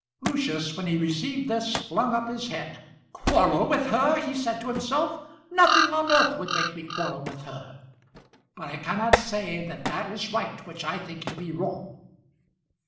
Lucius, when he received this, flung up his head. "Quarrel with her," he said to himself; "nothing on earth would make me quarrel with her; but I cannot say that that is right which I think to be wrong."